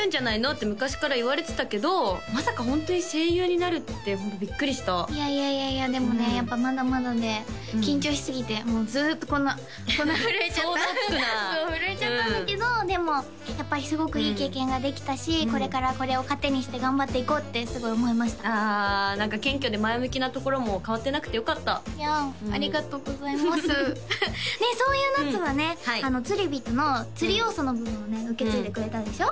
って昔から言われてたけどまさかホントに声優になるってビックリしたいやいやいやいやでもねやっぱまだまだで緊張しすぎてずっとこんなこんな震えちゃった想像つくなあそう震えちゃったんだけどでもやっぱりすごくいい経験ができたしこれからこれを糧にして頑張っていこうってすごい思いましたああ何か謙虚で前向きなところも変わってなくてよかったいやありがとうございますでそういうなつはねつりビットの釣り要素の部分をね受け継いでくれたでしょ？